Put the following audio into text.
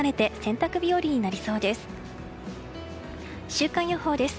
週間予報です。